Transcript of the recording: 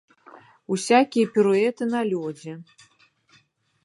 Усякія піруэты на лёдзе.